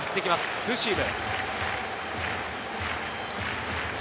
ツーシーム。